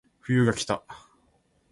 冬がきた